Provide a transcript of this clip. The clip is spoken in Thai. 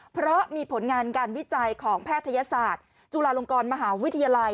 เพราะมีผลงานการวิจัยของแพทยศาสตร์จุฬาลงกรมหาวิทยาลัย